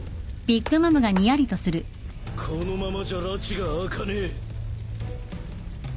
このままじゃらちが明かねえ。